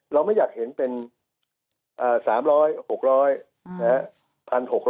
เราไม่อยากเห็นเป็นอตรา๓๐๐บาท๖๐๐แหื้อ๑๖๐๐บาท